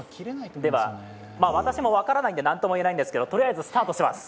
私も分からないので何ともいえないんですけど、とりあえずスタートします。